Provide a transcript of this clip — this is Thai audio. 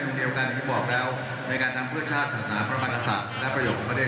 ผมก็จะบอกให้ฟังคนกับคุศประจีตรงนี้